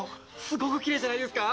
すごくきれいじゃないですか？